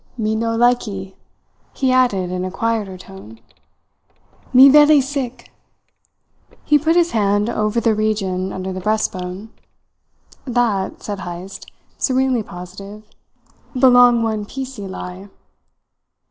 "Me no likee," he added in a quieter tone. "Me velly sick." He put his hand over the region under the breast bone. "That," said Heyst, serenely positive, "belong one piecee lie.